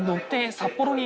札幌に？